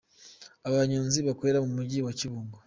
Abanyonzi bakorera mu mujyi wa Kibungo.